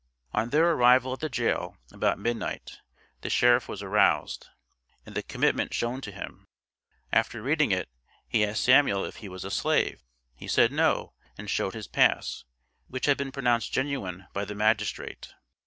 On their arrival at the jail, about midnight, the sheriff was aroused, and the commitment shown to him; after reading it, he asked Samuel if he was a slave? He said no, and showed his pass (which had been pronounced genuine by the magistrate).